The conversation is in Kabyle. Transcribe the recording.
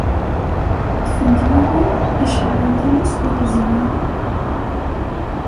Ṭṭfen-d yiwen iceɛɛlen times deg teẓgi.